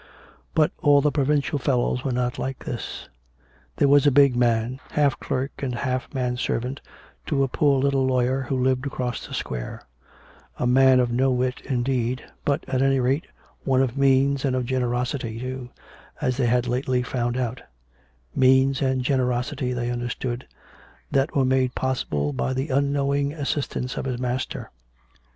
But all the provincial fellows were not like this. There was a big man, half clerk and half man servant to a poor little lawyer, who lived across the square — a man of no wit indeed, but, at any rate, one of means and of generosity, too, as they had lately found out — means and generosity, they under stood, that were made possible by the unknowing assistance of his master.